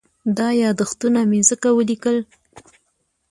دا یادښتونه مې ځکه ولیکل.